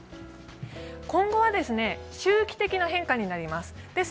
今後は周期的な変化になります。